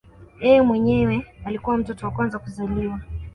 Yeye mwenyewe alikuwa mtoto wa kwanza kuzaliwa